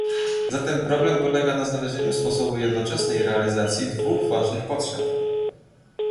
Zatem problem polega na znalezieniu sposobu jednoczesnej realizacji dwóch ważnych potrzeb